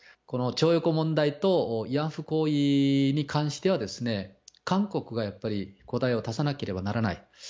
この徴用工問題と、慰安婦に関してはですね、韓国がやっぱり答えを出さなければならない。